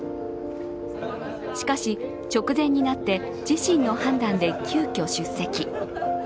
しかし、直前になって自身の判断で急きょ出席。